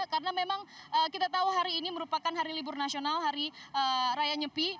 karena memang kita tahu hari ini merupakan hari libur nasional hari raya nyepi